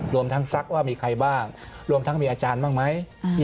รวมทั้งซักว่ามีใครบ้างรวมทั้งมีอาจารย์บ้างไหม